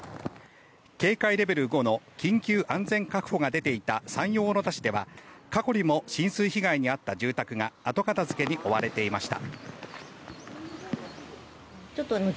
警戒レベル５の緊急安全確保が出ていた山陽小野田市では過去にも浸水被害に遭った住宅が後片付けに追われていました。